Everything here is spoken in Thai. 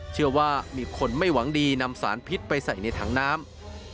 เชื่อว่ามีคนไม่หวังดีนำสารพิษไปใส่ในถังน้ำ